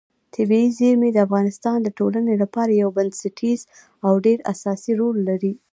طبیعي زیرمې د افغانستان د ټولنې لپاره یو بنسټیز او ډېر اساسي رول لري.